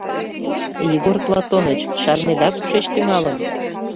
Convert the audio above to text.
Егор Платоныч шарнеда кушеч тӱҥалын?